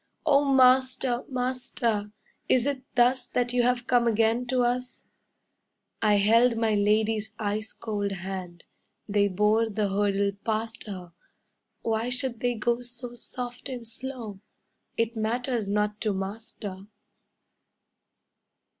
'Oh, master, master, is it thus That you have come again to us?' I held my lady's ice cold hand, They bore the hurdle past her; Why should they go so soft and slow? It matters not to master.